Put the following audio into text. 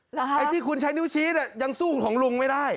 หรือครับไอ้ที่คุณใช้นิ้วชี้ยังสู้ของลุงไม่ได้